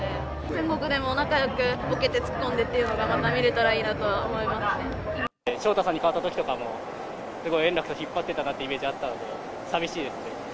天国でも仲よくぼけて、突っ込んでっていうのがまた見れたらいい昇太さんに代わったときとかも、すごい円楽さんが引っ張ってたなってイメージあったんで、さみしいですね。